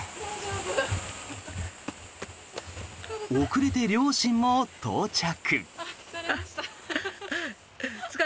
遅れて両親も到着。